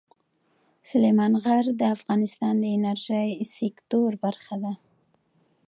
سلیمان غر د افغانستان د انرژۍ سکتور برخه ده.